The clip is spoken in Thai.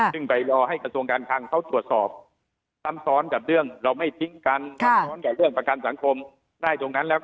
ซึ่งไปรอให้กระทรวงการคลังเขาตรวจสอบซ้ำซ้อนกับเรื่องเราไม่ทิ้งกันซ้ำซ้อนกับเรื่องประกันสังคมได้ตรงนั้นแล้ว